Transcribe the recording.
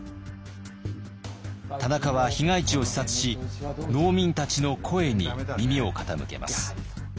田中は被害地を視察し農民たちの声に耳を傾けます。